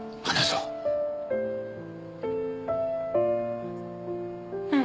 うん。